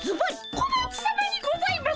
小町さまにございます！